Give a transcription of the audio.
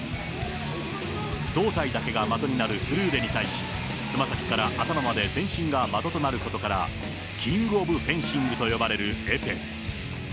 胴体だけが的になるフルーレに対し、爪先から頭まで全身が的となることから、キング・オブ・フェンシングと呼ばれるエペ。